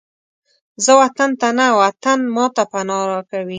زه وطن ته نه، وطن ماته پناه راکوي